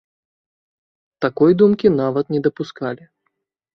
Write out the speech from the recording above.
Такой думкі нават не дапускалі.